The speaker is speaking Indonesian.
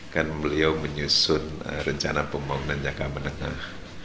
kan beliau menyusun rencana pembangunan jangka menengah